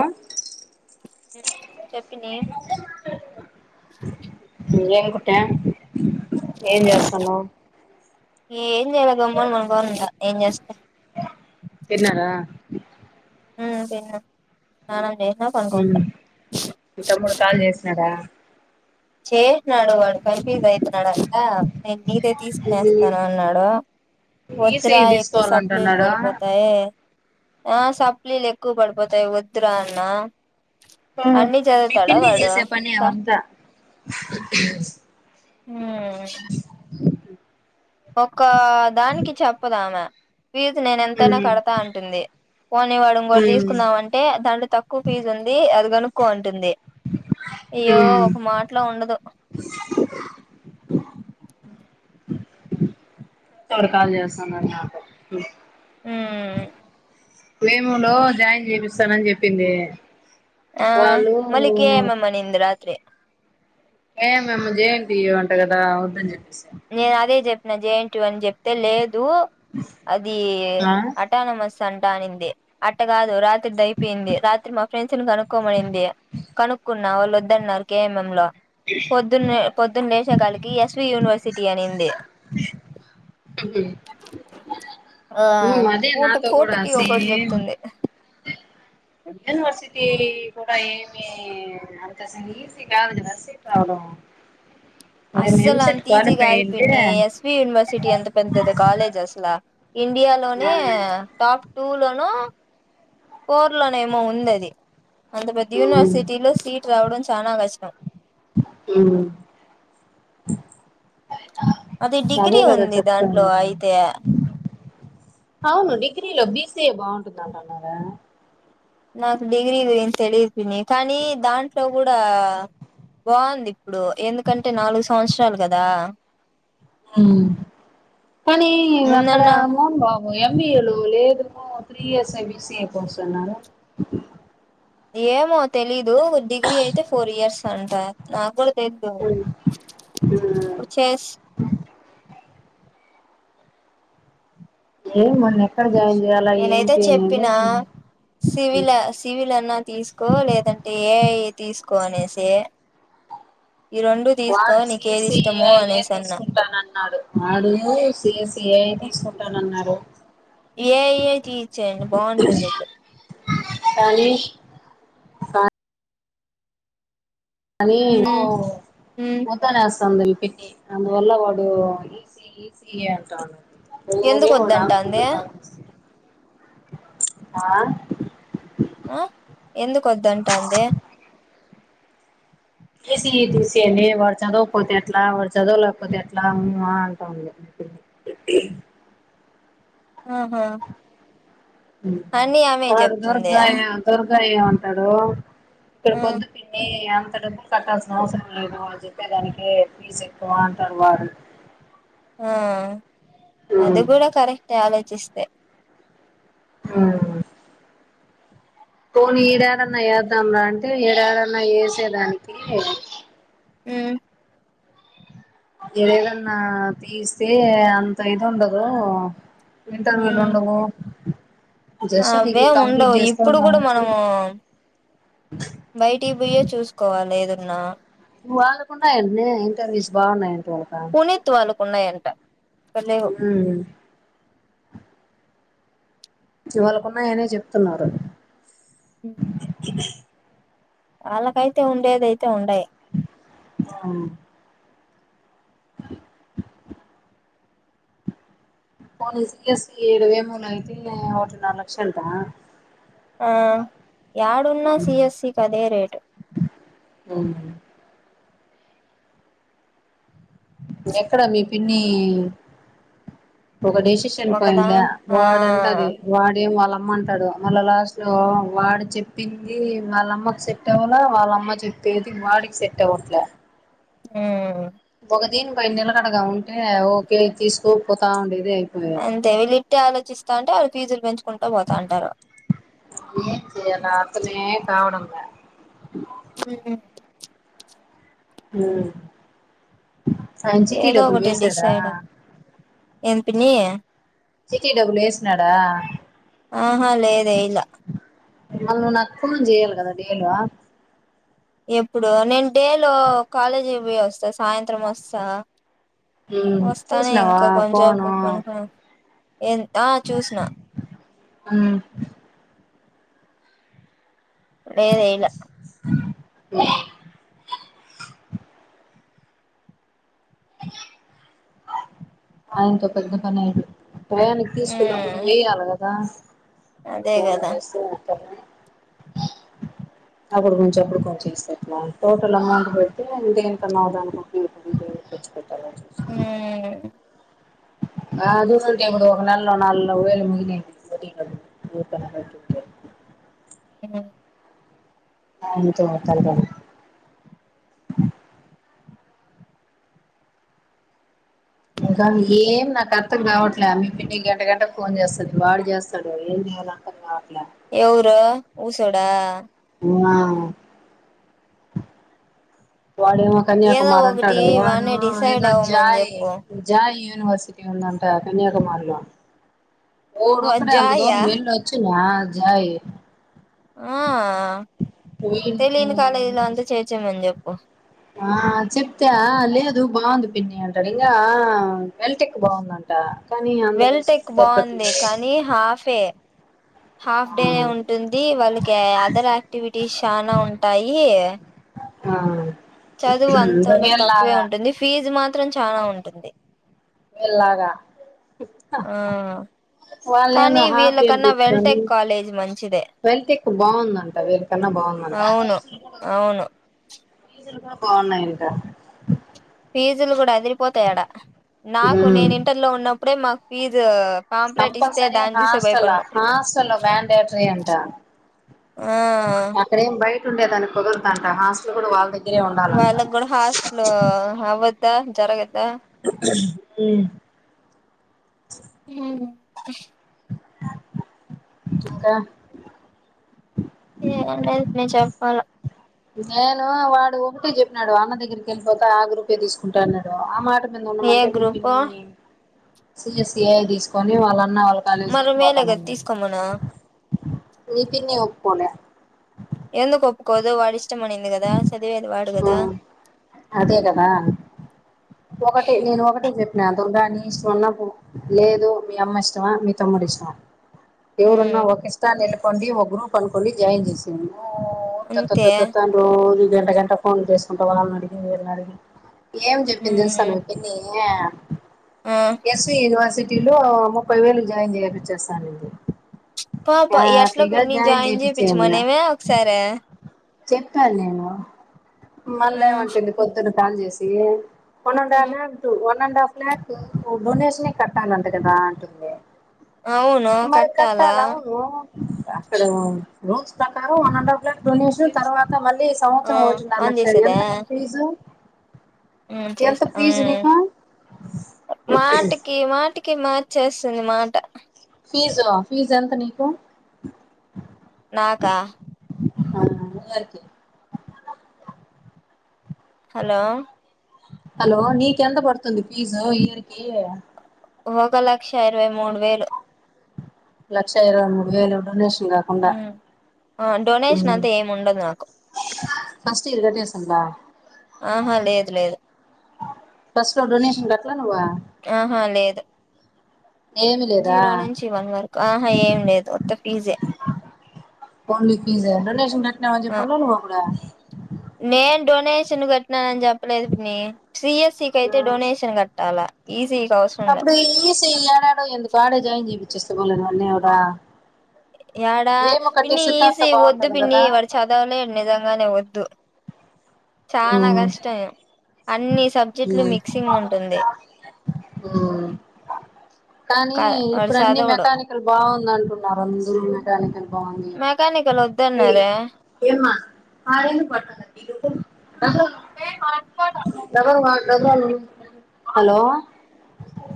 అ చెప్పినే ఏం కుట్టా ఏం చేస్తానావ్ ఏం చేయలే గమ్మున పడుకున్న ఏం చేస్త తిన్నార మ్ తిన్నాం సాన్నం చేసిన పనుకుంట మీ తమ్ముడు కాల్ చేసినడా చేసిన్నాడు వాడు కన్ఫ్యూజ్ అయితున్నాడు అంటా నేను నీదే తీసుకునేస్తా నేను అన్నాడు వద్దురా ఈసీఈ ఎక్కువ సప్లీలు తీసుకోవాలంటున్నాడు పడిపోతాయి ఆ సప్లీలు ఎక్కువ పడిపోతాయి వద్దురా అన్న అన్ని చదవుతడా వాడు స మేమంతా హ్ ఒక్క దానికి చెప్పదు ఆమె ఫీజ్ నేను ఎంతైనా కడతా అంటుంది. పోనీ వాడు ఇంగోడి తీసుకుందాం. అంటే దాంట్లో తక్కువ ఫీజు ఉంది. అది కోనుక్కో అంటుంది. అయ్యో ఒక్క మాటలో ఉండదు. తోడు కాలు చేస్తున్నారు నాకు ఉమ్ మేమునులో జాయిన్ చేపిస్తానని చెప్పింది. ఆ వాళ్ళు మల్లి కె మ్ మ్ అనింది రాత్రి ఏ మేమ్ జే న్ టి యు అంట కదా వద్దని చెప్పేసింది నేను అదే చెప్పిన జే న్ టీ యు అని చెప్తే లేదు అది అ ఆ అట్టా నమస్ అంటానిందే అట్టగాదు రా తెడ్ అయిపోయింది. రాత్రి మా ఫ్రెండ్స్ని కనుక్కోమన్నింది. కనుక్కున్నా వాళ్ళు వద్దు అన్నారు కే ఎం ఎం లో పొద్దున్నే పొద్దున్నే లేచినకానుంచి ఎస్వి యూనివర్సిటీ అనింది ఆ అదే పూట నాతో కూడా పూటకి ఒక్కటి సేమ్ చెప్తుంది. యూనివర్సిటీ కూడా ఏమి అంత ఈజీ కాదు కదా సిట్ రావడం మేము అస్సలు ఎంసెట్ అంత ఈజీ క్వాలిఫై కాదు అయింటే పిన్ని ఎస్ వి యూనివర్సిటీ అంత పెద్దది కాలేజెస్ ఇండియా ఆ లోనే టాప్ టూ లోనో ఫోర్ లోనే ఏమో ఉన్నది. అంత పెద్ద యూనివర్సిటీలో సీట్ రావడం చానా కష్టం. హ్ అది అదే డిగ్రీ కదా ఉంది చెప్ప దాంట్లో నేను అయితే అవును డిగ్రీలో బి సీ ఏ బాగుంటుంది. అంటున్నారు నాకు డిగ్రీ ఇది ఎమ్ తెలియదు. పిన్ని కానీ దాంట్లో కూడా బాగుంది ఇప్పుడు ఎందుకంటే నాలుగు సంవత్సరాలు కదా హ్మ్ కానీ ఈగ అక్కడ ముందన్న అమ్మమో ఎం బి ఏలు లేదు three years B C A course అన్నారూ ఏమో తెలీదు డిగ్రీ అయితే ఫోర్ ఇయర్స్ అంట నాకు కూడా తెలీదు ఇప్పుడు చేస్ ఏమోనే ఎక్కడ జాయిన్ చెయ్యాలె నేనైతే చెప్పినా సివిల్ సివిల్ అన్న తీసుకో లేదంటే ఏఐ తీసుకో అనేసి ఈ రెండు తీసుకో వాడు సి నీకు ఏస్ ఏది సి ఇష్టమో ఏఐ అనేసి అన్నా తీసుకుంటానన్నాడు. వాడు సి ఎస్ సి ఏఐ తీసుకుంటా కుంటా నన్నాడు ఏఐ తీచేయండి బాగుంటుంది ఇప్పుడు కానీ కానీ ఓ ఉమ్ ఉమ్ ఓ కానీ [unintelligible] అందువల్ల వాడు ఈజీ ఈజీ అంటాడు ఎందుకు వద్దంటాంది [unintelligible] ఆ ఆ ఎందుక వద్దంటాంది తీసి తీసేయండి వాడు చదవకపోతే ఎట్లా వాడు చదవలేకపోతే ఎట్లా ఊ ఆ అంటాంది హ్మ్ ఆహా అని ఆమె వాడు చెప్తుంది ఆ దుర్గాయ దుర్గాయ ఏమంటాడు ఇక్కడ పొద్దు పిన్ని అంత డబ్బులు కట్టాల్సిన అవసరం లేదు వా చెప్పేదానికి ఫీజు ఎక్కువ అంటాడు వాడు ఆ అది కూడా కరెక్ట్ ఆలోచిస్తే మ్ పోని ఇడేడన్నా యాద్దాం రా అంటే ఇడేడన్నా ఎసేదానికి మ్ ఏదన్నా తీస్తే అంత ఇది ఉండదు ఇంటర్వ్యూలు ఉమ్ ఉండవు జస్ దివి అవేం కంప్లీట్ ఉండవు చేస్కొని ఇప్పుడు కూడా రావచ్చు మనము బయటికి బుయ్యే చూసుకోవాలి ఏదున్నా వాళ్లకున్నాయి అంటనే ఇంటర్వ్యూస్ బాగున్నాయంట వాళ్ళక త్తు వాళ్ళకు ఉన్నాయంట లేవు ఉ వాళ్ళకున్నాయనే చెప్తున్నారు వాళ్ళకైతే ఉండేదయితే ఉండయి అ ఉమ్మ్ పోనీ సిఎస్ససి ఏడవేమూన్ అయితే ఒకటిన్నర లక్షంటా ఆ యాడున్నా సిఎస్ సి కి అదే రేట్ మ్ మీరు ఎక్కడ మీ పిన్ని ఒక డెష్ షన్ ఒకదా పోయినలే ఆ వాడంట అది వాడేం వాళ్ళమ్మ అంటాడు మళ్ళా లాస్ట్ లో వాడు చెప్పింది వాళ్ళమ్మకు చెప్పి టవలా వాళ్ళమ్మ చెప్పేది వాడికి సెట్ అవ్వట్లే మ్ ఒక దీన్ పైన నిలకడగా ఉంటే ఓకే తీసుకోకపోతా ఉండేది అయిపోయా టే వెళ్ళిట్టే ఆలోచిస్తా అంటే వాళ్ళు ఫిజులు పెంచుకుంటూ పోతాంటారు ఎం చెయ్యాలా అర్థమే కావడం లా మ్ మ్ ఆయన చిట్టీ ఏదో డబ్బులు వేసాడా ఏంది పిన్ని చిట్టి డబ్బులు ఎసినాడా ఆహా లేదే ఇలా మళ్ళ నువ్వు నాకు ఫోన్ చెయాలి కదా డేలో ఎప్పుడు నేను డేలో కాలేజీకి పోయి వస్తా సాయంత్రం వస్తా వస్తానే చూసినావా ఇంకా ఫోను కొంచేపు పనుకున ఎన్ చూసిన మ్ లేదు ఏయ్ లా అవు మీ ఆయనతో పెద్ద పనేటు టయానికి తీసుకున్నప్పుడు మ్ నువ్వు వేయాలి కదా అదే కదా అప్పుడు కొంచం అప్పుడు కొంచెం వేస్తే ఎట్లా టోటల్ అమౌంట్ పెడిటి దేనికన్నా ఒక దానికి ఉపయోగపడుద్ది తెచ్చి పెట్టాల ఉ కాదు మనకు ఇప్పుడు ఒక నెలలో నాలువేలు మునిగిన్ సరైనది నీకు కనబడింది చెప్పు ఆ ఉంటే వస్తా అన్నారు ఇంకా ఏం నాకు అర్థకు రావట్లే మీ పిన్ని గంట గంట ఫోన్ చేస్తాంది వాడు చేస్తాడు ఏం చేయాల అర్థం కావట్లే ఎవరు ఊసోడా ఆ వాడేమో ఏదో కన్యాకుమారి ఒకటి అంటాడు వాడు వాణ్ణి డిసైడ్ ఏదో అవ్వమని జాయ్ చెప్పు జాయ్ యూనివర్సిటీ ఉందంట కన్యాకుమారిలో డోక్కడే అంత దూరం జాయా వెళ్లి వచ్చిండా జాయ్ ఆ వీడు తెలియని కాలేజీలో అంతా చేర్చేమని చెప్పు ఆ చెప్తే లేదు బాగుంది పిన్ని అంటడు ఇంకా వెల్టెక్కు బాగుందం ట కాని వెల్ట్ ఎక్ బాగుంది కానీ హాఫ్ ఏ హాఫ్ ఆ డేనే ఉంటుంది వాళ్ళకి అదర్ యాక్టివిటీస్ చానా ఉంటాయి ఆ చదువు అంత ఇంకా ఉండ తక్కువే వీళ్ళలాగా ఉంటుంది ఫీజు మాత్రం చాలా ఉంటుంది వీళ్ళలాగా ఆ వాళ్ళేదో కానీ హాఫ్ డేల్ వీళ్ళకన్నా పెట్టుతారు వెల్టెక్ కాలేజ్ మంచిదే వెల్త్ టెక్ బాగుందంట వీరికన్నా బాగుందంట అవును అవును ఫీజులు కూడా బాగున్నాయంటా ఫీజులు కూడా ఎదిరిపోతాయాడా నాకు ఉమ్ నేను ఇంటర్లో ఉన్నప్పుడే మాకు ఫీజు పాంప్లెట్ ఇస్తే కంపల్సర దాన్ని చూసే హాస్టలా భయపడినం హాస్టల్ మ్యాన్రిటరీ అంట ఆ ఇక్కడేం బయట ఉండేదాన్ని కుదరదంట హాస్టల్ కూడా వాళ్ళ దగ్గరే ఉండాలంట హాస్టల్లో అవ్వద జరగద ఉ ఉ ఇంకా ఏం లేదు నువ్వు చెప్పాల నేను వాడు ఒకటే చెప్పినాడు అన్న దగ్గరికి వెళ్ళిపోత ఆ గ్రూపు ఆ తీసుకుంటా అన్నాడు ఆ మాట మీద ఏ ఉన్నామంటే మీ గ్రూపో పిన్ని సిఎస్ఈఐ తీసుకొని వాళ్ళఅన్న వాళ్ళ కాలేజీకి మరి మేలే వెళ్ళిపోతాను కదా అన్నాడు తీసుకోమను మీ పిన్ని ఒప్పుకోలే ఎందుకు ఒప్పుకోదు వాడు ఇష్టంమనింది కదా చదివేది వాడు కదా అదే కదా ఒకటి నేను ఒకటే చెప్ప నా దుర్గాని నీ ఇష్టం లేదు మీ అమ్మ ఇష్టమా మీ తమ్ముడు ఇష్టమా ఎవరన్నా ఉమ్ ఒక ఇస్తా నిలకండి ఒక గ్రూప్ అనుకోండి జాయిన్ చేసాను అంతే త త రోజు గంట గంట ఫోన్ చేసుకుంటా వాళ్ళని అడిగి వీళ్లను అడిగి ఏం ఉమ్ చేస్తోంది ఈ పిన్ని యా ఆ ఎస్వి యూనివర్సిటీలో ముప్పై వేలకు జాయిన్ చేయపిచ్చేస్తానండి పాప ఎట్ల పిన్ని జాయిన్ చేపిచ్చేయంది చేయిించుమనేవ ఒకసారి చెప్పాను నేను మళ్ళ ఏమంటుంది పొద్దున కాల్ చేసి వన్ అండ్ లన్ అండ్ హఫ్ లక్ డొనేషన్ కట్టాలంట కదా అంటుంది అవును మరి కట్టాలా కట్టాల అవును అక్కడ రూల్స్ ప్రకారం వన్ అండ్ఫ్ బ్లడ్ డొనేషన్ తర్వాత మళ్ళీ ఆ సంవత్సరం ఓటిన్నర ఆన్ లక్ష ఎంత నీకు ఫీజు మ్ ఎంత చేసా ఫీజు మ్ నీకు మాటికి మాటి కి మార్చేస్తుంది మాట ఫీజు ఫీజు ఎంత నీకు నాకా ఆ అందరికి హలో హలో నీకు ఎంత పడుతుంది ఫీజు ఇయర్కి ఒక లక్ష ఇరవై మూడు వేలు లక్ష ఇరవై మూడు వేలు డొనేషన్ కాకుండా ఉమ్ ఆ డొనేషన్ మ్ అంతా ఏమి ఉండదు నాకు ఫస్ట్ ఇయర్ కట్టే సుండ్ల ఆహా లేదు లేదు ఫస్ట్లో డొనేషన్ కట్లే నువ్వు ఆహా లేదు ఏమి లేదా జీరో నుంచి వన్ వరకు ఆహా ఏం లేదు ఉత్త ఫీజే ఓన్లీ ఫీజ్ డోనేషన్ కట్టినం అని ఆ చెప్పిండ్లే నువ్ అప్పుడు నేను డొనేషన్ కట్నానని చెప్పలేదు పిన్ని త్రి ఇయర్స్ కైతే డొనేషన్ కట్టాలా ఈసి కి అవసరం లే ఈ ఇసి యడేడో ఎందుక్ ఇంకాడేజాయిన్ చేపిచ్చేస్తే పోలే అన్నే క్ ఎడా పిన్ని తాత ఈసి వద్దు బాగుంటది పిన్ని కదా వాడు చదవలేడు నిజంగానే వద్దు చాలా మ్మ్ కష్టం అన్ని సబ్జెక్టులు మిక్సింగ్ ఉంటుంది మ్ కానీ కాదు వాడు ఇప్పుడు అన్ని చదవడు మెకానిక్ కల్ బాగుందంటున్నారు అందరు మెకానికల్ బాగుంది మెకానికల్ వద్దన్నారే ఏమ్మ [unintelligible] హలో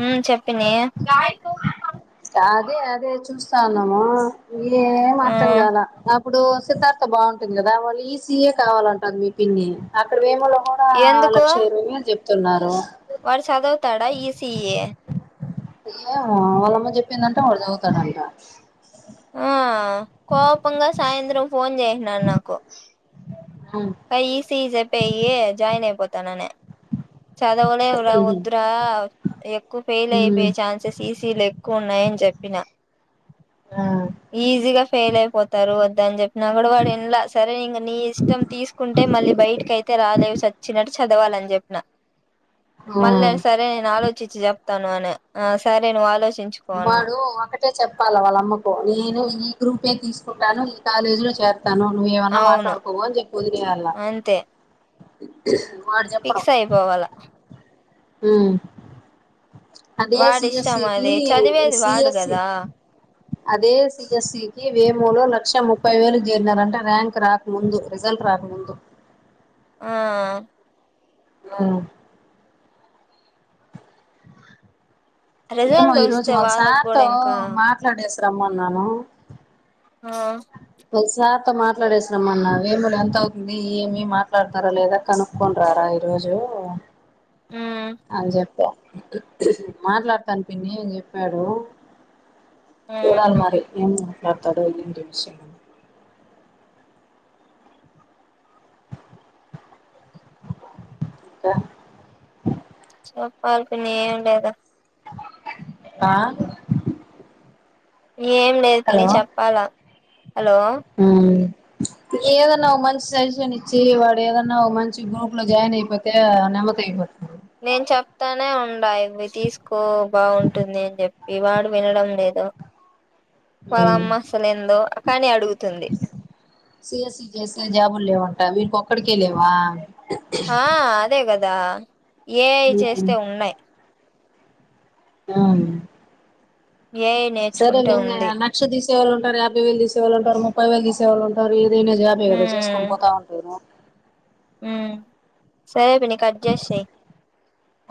మ్ చెప్పిన్ని అదే అదే చూస్తా ఉన్నాము ఏం అర్థం కాలే ఇప్పుడు సిధార్థ బాగుంటుంది కదా వాళ్ళు ఈసీయే కావాలంటుంది మీ పిన్ని అక్కడ వేమో కా ఎందుకు లక్ష ఇరవై వేలు చెప్తున్నారు వాడు చదవుతాడా ఈసి ఏమొ వాళ్ళమ్మ చెప్పిందంట వాడు చదువుతాడంట ఆ కోపంగా సాయంత్రం ఫోన్ చేసినడు నాకు ఆ ఈసిజెప్పేయ్యి జాయిన్ అయిపోతనని చదవలేవురా ఒద్దు రా ఎక్కువ ఫెయిల్ అయిపోయే ఛాన్ న్సెస్ ఈసీలో ఎక్కువ ఉన్నాయని చెప్పిన ఈజీగా ఫెయిల్ అయిపోతారు వద్దని చెప్ న కూడా వాడు ఇనలేని సరే ఇంగ నీ ఇష్టం తీసుకుంటే మళ్ళీ బయటకి అయితే రాలేవు సచ్చినట్టు చదవాలని చెప్పిన మళ్ళ ఉమ్ సరే నేను ఆలో చ్చి చెప్తాను అని ఆ సరే నువ్ ఆలోచించు వాడు ఒకటే చెప్పాల వాళ్ళ అమ్మకు నేను ఈ గ్రూప్ ఏ తీసుకుంటాను ఈ కాలేజీ లో చేరు తను నువయ ఏవన్నా అవును మాట్లాడుకోపో అని చెప్ వదిలేయల అంతే వాడు చెప్పడు పోవాలా ఊ అదే వాడిష్టం సిఎస్కి కి అది చదివేది వాడు సిఎస్సి కదా అదే సిఎస్సి కి వేమోలో లక్ష ముప్పై వేలు చేరిన అంట ర్యాంక్ రాకముందు రిజల్ట్ రాకముందు ఆ ఆ ఏమో రిజల్ట్ ఈ రోజు వస్తే వాళ్ళకు ఒకసార్ కూడా తో ఇంకా మాట్లాడేసి రమ్మన్నాను ఆ ఒయ్ సార్తో మాట్లాడేసి రమ్మన్న వేములఎంత అవుతుంది ఏమి మాట్లాడతారా లేదా కనుక్కొనిరారా ఈ రోజు మ్మ్ అని చెప్ మాట్లాడతాను పిన్ని అని చెప్పాడు మ్మ్ చూడాలి మరి ఏం మాట్లాడుతాడో ఏంటి విషయం ఇంకా చెప్పాలి పిన్ని ఏం లేదు ఆ ఏం లేదు పిన్ని చెప్పాలా హలో ఉమ్ ఏదన్నా ఒ మంచి సజిషన్ ఇ చ్చి వాడు ఏదన్నా ఒక మంచి గ్రూప్ లో జాయిన్ అయిపోతే నెమక అయిపోత నేను చెప్తానే ఉండ ఇవి తీసుకో బాగుంటుంది అని చెప్పి వాడు వినడం లేదు ఉ వాల్లమ్మ అసలు ఇందు కానీ అడుగుతుంది సిఎస్సి చేస్తె జాబులు లేవంట వీడిక్కొకడికే లేవా ఆ అదే కదా ఏఐ చేస్తే ఉ ఉన్నాయి యామ్మి ఏఐ సరే నేర్చుకుంటే లే ఇంగ ఉంది లక్ష తీసే వాళ్ళుంటారు యాభై వేలు తీసే వాళ్ళు ఉంట ముప్పై వేలు తీసే వాళ్ళు ఉంటారు ఎవరు ఏదైనా జాబే కదా చేసుకొని పోతా ఉంటేను ఉ సరే పిన్ని కట్జేసేయ్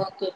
ఓకే